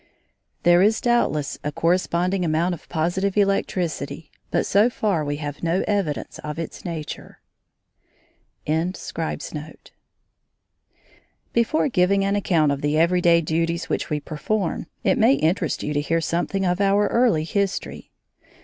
There is doubtless a corresponding amount of positive electricity, but so far we have no evidence of its nature. CHAPTER V MY EARLIEST RECOLLECTIONS Before giving an account of the everyday duties which we perform, it may interest you to hear something of our early history.